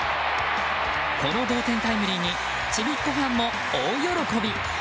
この同点タイムリーにちびっこファンも大喜び。